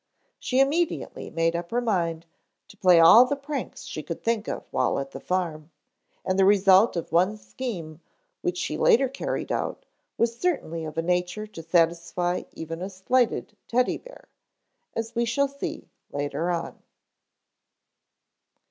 She immediately made up her mind to play all the pranks she could think of while at the farm, and the result of one scheme which she later carried out, was certainly of a nature to satisfy even a slighted Teddy bear, as we shall see later on.